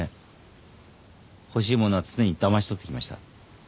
欲しいものは常にだましとってきました。